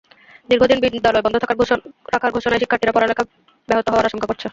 দীর্ঘদিন বিদ্যালয় বন্ধ রাখার ঘোষণায় শিক্ষার্থীরা পড়ালেখা ব্যাহত হওয়ার আশঙ্কা করছে।